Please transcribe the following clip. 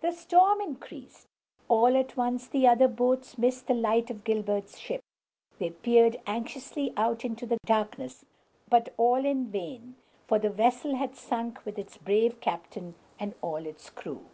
The storm increased. All at once the other boats missed the light of Gilbert's ship! They peered anxiously out into the darkness, but all in vain, for the vessel had sunk with its brave captain and all its crew.